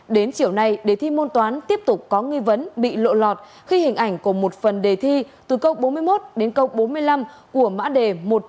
đến chiều nay đề thi môn toán tiếp tục có nghi vấn bị lộ lọt khi hình ảnh của một phần đề thi từ câu bốn mươi một đến câu bốn mươi năm của mã đề một trăm linh